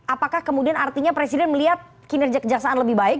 apakah kemudian artinya presiden melihat kinerja kejaksaan lebih baik